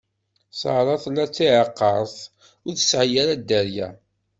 Ṣara tella d tiɛiqert, ur tesɛi ara dderya.